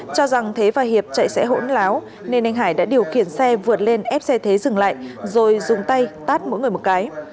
cho rằng thế và hiệp chạy sẽ hỗn láo nên anh hải đã điều khiển xe vượt lên ép xe thế dừng lại rồi dùng tay tát mỗi người một cái